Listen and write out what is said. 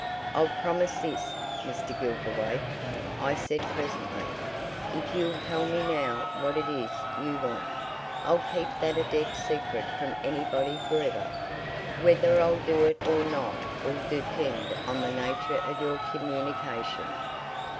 "I'll promise this, Mr. Gilverthwaite," I said presently. "If you'll tell me now what it is you want, I'll keep that a dead secret from anybody for ever. Whether I'll do it or not'll depend on the nature of your communication."